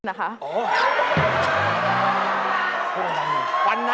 วันหน้าเยินจ้ะ